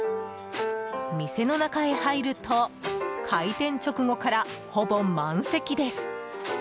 店の中へ入ると開店直後から、ほぼ満席です。